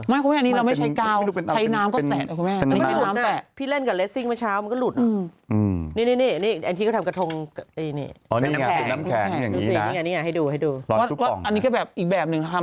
ไม่ครับอันนี้เราไม่ใช่กาวใช่น้ำก็แตะแล้วครับ